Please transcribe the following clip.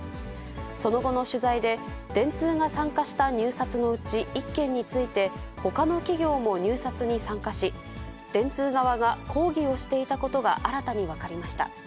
その後の取材で、電通が参加した入札のうち１件について、ほかの企業も入札に参加し、電通側が抗議をしていたことが新たに分かりました。